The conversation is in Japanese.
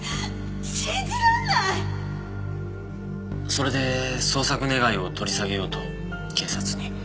それで捜索願を取り下げようと警察に。